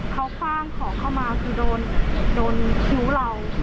เขาคว่างของเข้ามาคือโดนคิ้วเรา